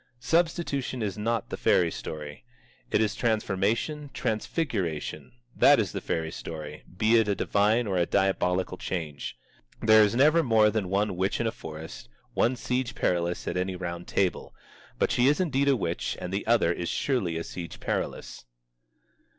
Substitution is not the fairy story. It is transformation, transfiguration, that is the fairy story, be it a divine or a diabolical change. There is never more than one witch in a forest, one Siege Perilous at any Round Table. But she is indeed a witch and the other is surely a Siege Perilous.